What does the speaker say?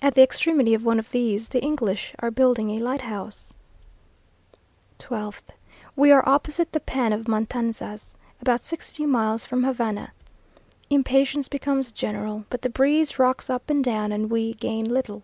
At the extremity of one of these the English are building a lighthouse. 12th. We are opposite the Pan of Matanzas, about sixty miles from Havana. Impatience becomes general, but the breeze rocks up and down, and we gain little.